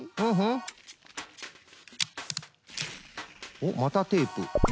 おっまたテープ。